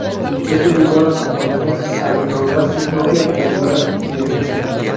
Esto llevó a las compañías a recaudar su propia publicidad en defensa.